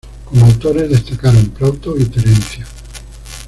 Como autores destacaron Plauto y Terencio.